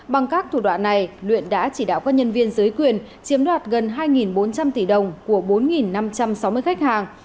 bằng các thủ đoạn này luyện đã chỉ đạo các nhân viên giới quyền chiếm đoạt gần hai bốn trăm linh tỷ đồng của bốn năm trăm sáu mươi khách hàng